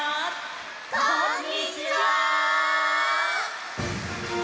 こんにちは！